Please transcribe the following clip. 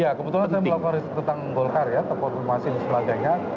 ya kebetulan saya melaporkan tentang golkar atau masing masing sebagainya